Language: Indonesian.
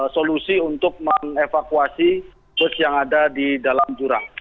solusi untuk mengevakuasi bus yang ada di dalam jurang